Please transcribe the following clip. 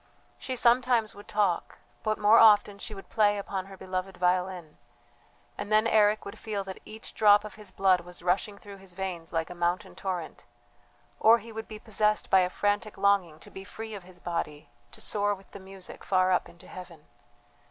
She sometimes would talk, but more often she would play upon her beloved violin, and then Eric would feel that each drop of his blood was rushing through his veins like a mountain torrent; or he would be possessed by a frantic longing to be free of his body to soar with the music far up into heaven.